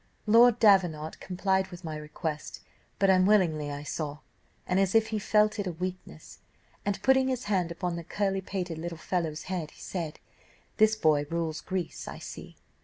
Lord Davenant complied with my request, but unwillingly I saw, and as if he felt it a weakness; and, putting his hand upon the curly pated little fellow's head, he said, 'This boy rules Greece, I see.